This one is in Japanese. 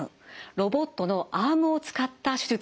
ロボットのアームを使った手術です。